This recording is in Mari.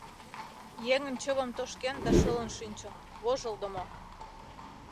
Еҥын чывым тошкен да шылын шинчын, вожылдымо!